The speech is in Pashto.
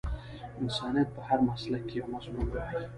انسانيت په هر مسلک کې یو مضمون وای